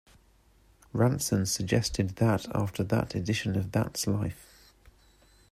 Rantzen suggested that after that edition of That's Life!